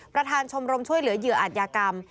ประธานชมรมช่วยเหลือเหยื่ออัตยากรรม